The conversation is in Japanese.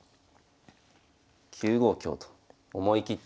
９五香と思い切って。